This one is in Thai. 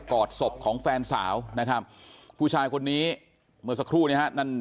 อดศพของแฟนสาวนะครับผู้ชายคนนี้เมื่อสักครู่เนี่ยฮะนั่น